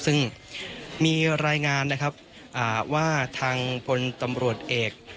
ซึ่งมีรายงานนะครับว่าทางพลตำรวจเอก